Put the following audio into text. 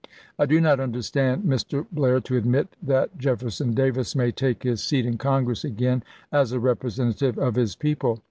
I do not understand Mr. Blair to admit that Jefferson Davis may take his seat in Congress again as a representative of his people.